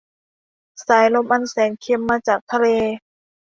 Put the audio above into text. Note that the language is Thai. สายลมอันแสนเค็มมาจากทะเล